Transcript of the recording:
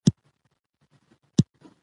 موږ باید دا غږ واورو.